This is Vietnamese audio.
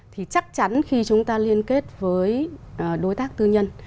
thì chắc chắn khi chúng ta liên kết với đối tác tư nhân